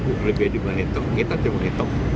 itu lebih diperintahkan kita tidak boleh